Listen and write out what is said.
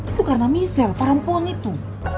itu karena misel perempuan itu